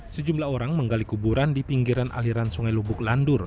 sejumlah orang menggali kuburan di pinggiran aliran sungai lubuk landur